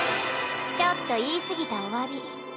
ちょっと言い過ぎたお詫び。